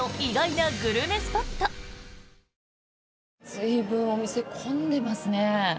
随分お店、混んでますね。